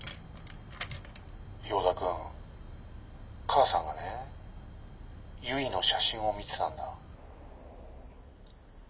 「ヨーダ君母さんがねゆいの写真を見てたんだ」。